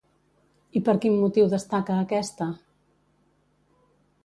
I per quin motiu destaca aquesta?